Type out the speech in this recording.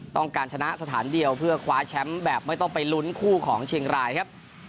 ต้องการชนะสถานเดียวเพื่อคว้าแชมป์แบบไม่ต้องไปลุ้นคู่ของเชียงรายครับ